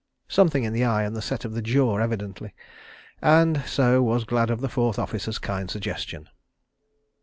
Something in the eye and the set of the jaw, evidently—and so was glad of the fourth officer's kind suggestion.